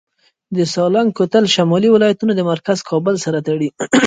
د سالنګ کوتل شمالي ولایتونه مرکز کابل سره تړي